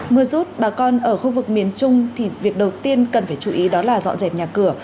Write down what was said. mưa rút bà con ở khu vực miền trung thì việc đầu tiên cần phải chú ý đó là dọn dẹp nhà cửa